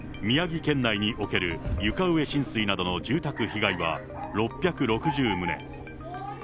これまでに分かっている宮城県内における床上浸水などの住宅被害は６６０棟。